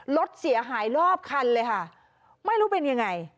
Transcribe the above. รถเสียหายรอบคันเลยค่ะไม่รู้เป็นยังไง